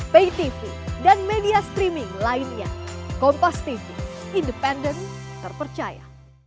pay tv dan media streaming lainnya kompas tv independen terpercaya